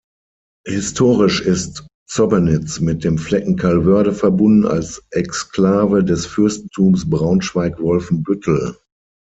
Historisch ist Zobbenitz mit dem Flecken Calvörde verbunden, als Exklave des Fürstentums Braunschweig-Wolfenbüttel.